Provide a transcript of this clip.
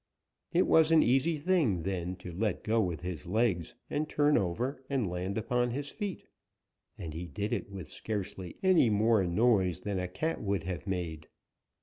It was an easy thing, then, to let go with his legs and turn over and land upon his feet, and he did it with scarcely any more noise than a cat would have made.